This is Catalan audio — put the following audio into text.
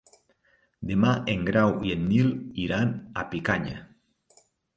Demà en Grau i en Nil iran a Picanya.